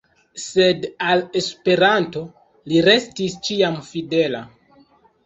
Sed al Esperanto li restis ĉiam fidela.